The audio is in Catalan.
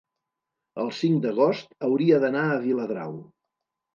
el cinc d'agost hauria d'anar a Viladrau.